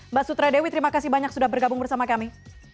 mbak sutradewi terima kasih banyak sudah bergabung bersama kami